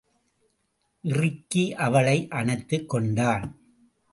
இறுக்கி அவளை அணைத்துக்கொண்டான்.